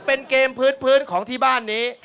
เป็นเกมพื้นของที่บ้านนี้